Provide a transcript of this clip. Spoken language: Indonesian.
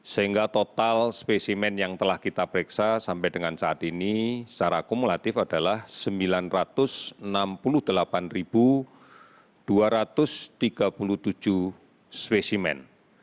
sehingga total spesimen yang telah kita periksa sampai dengan saat ini secara akumulatif adalah sembilan ratus enam puluh delapan dua ratus tiga puluh tujuh spesimen